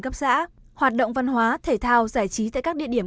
cấp xã hoạt động văn hóa thể thao giải trí tại các địa điểm